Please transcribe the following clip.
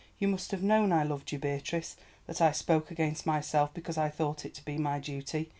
"You must have known I loved you, Beatrice, that I spoke against myself because I thought it to be my duty.